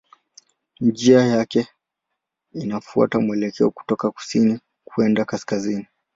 Njia yake inafuata mwelekeo kutoka kusini kwenda kaskazini.